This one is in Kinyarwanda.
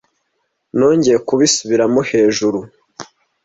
nongeye kubisubiramo hejuru